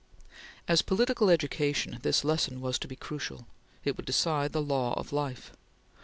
As political education, this lesson was to be crucial; it would decide the law of life.